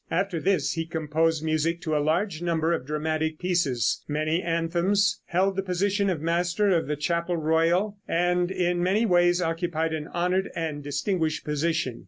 After this he composed music to a large number of dramatic pieces, many anthems, held the position of master of the Chapel Royal, and in many ways occupied an honored and distinguished position.